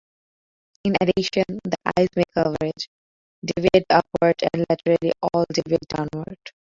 In addition, the eyes may converge, deviate upward and laterally, or deviate downward.